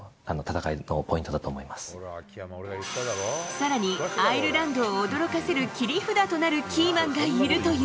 更に、アイルランドを驚かせる切り札となるキーマンがいるという。